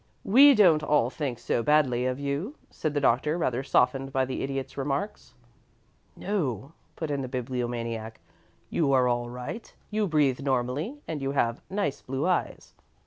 "We don't all think so badly of you," said the Doctor, rather softened by the Idiot's remarks. "No," put in the Bibliomaniac. "You are all right. You breathe normally, and you have nice blue eyes.